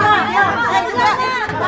bang rijal mak